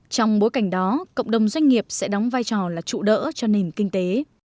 trong bối cảnh đó cộng đồng doanh nghiệp sẽ đóng vai trò là trụ đỡ cho nền kinh tế